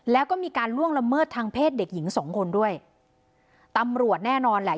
แล้วก็มีการล่วงละเมิดทางเพศเด็กหญิงสองคนด้วยตำรวจแน่นอนแหละ